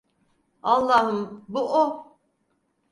Allahım, bu o.